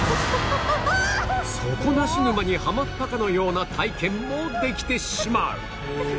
底なし沼にはまったかのような体験もできてしまう